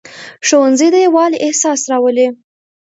ښوونځی د یووالي احساس راولي